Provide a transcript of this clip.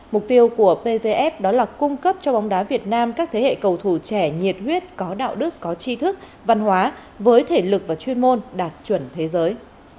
mục tiêu của pvf đó là cung cấp cho bóng đá việt nam các thế hệ cầu thủ trẻ nhiệt huyết có đạo đức có chi thức văn hóa với thể lực và chuyên môn đạt chuẩn thế giới